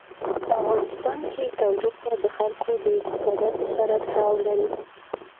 په افغانستان کې تودوخه د خلکو د اعتقاداتو سره تړاو لري.